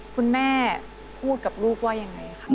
คุณแม่พูดกับลูกว่ายังไงครับ